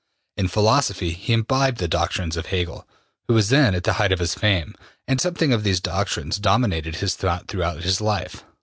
In philosophy he imbibed the doctrines of Hegel, who was then at the height of his fame, and something of these doctrines dominated his thought throughout his life.